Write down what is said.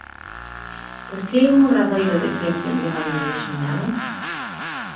Por que un obradoiro de creación de banda deseñada?